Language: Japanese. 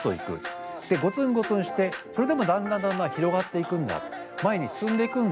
ゴツンゴツンしてそれでもだんだんだんだん広がっていくんだ前に進んでいくんだ。